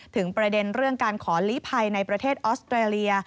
ประเด็นเรื่องการขอลีภัยในประเทศออสเตรเลีย